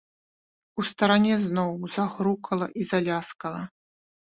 У старане зноў загрукала і заляскала.